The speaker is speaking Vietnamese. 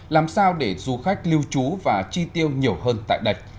làm sao để du khách lưu trú và chi tiêu nhiều hơn tại đây